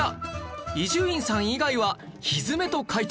伊集院さん以外はひづめと解答